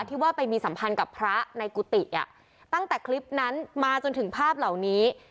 ที่ว่าไปมีสัมพันธ์กับพระในกุฏิตั้งแต่คลิปนั้นมาจนถึงภาพเหล่านี้